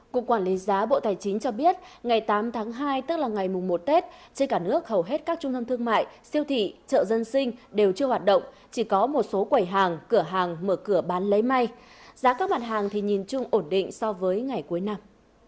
cục quản lý giá bộ tài chính cho biết ngày tám tháng hai tức là ngày mùng một tết trên cả nước hầu hết các trung tâm thương mại siêu thị chợ dân sinh đều chưa hoạt động chỉ có một số quầy hàng cửa hàng mở cửa bán lấy may giá các mặt hàng thì nhìn chung ổn định so với ngày cuối năm